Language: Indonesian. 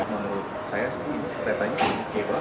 menurut saya sih keretanya lebih hebat